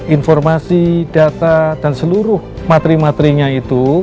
informasi data dan seluruh materi materinya itu